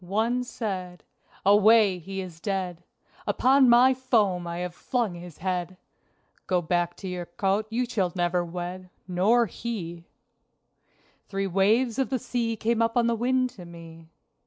One said: "Away! he is dead! Upon my foam I have flung his head! Go back to your cote, you never shall wed! (Nor he!)" Three waves of the sea came up on the wind to me.